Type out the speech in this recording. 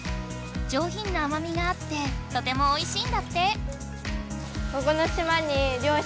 じょうひんなあまみがあってとてもおいしいんだって！